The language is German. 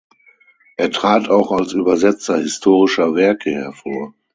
Er trat auch als Übersetzer historischer Werke hervor.